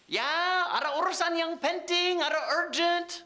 ya ada urusan yang penting ada urgent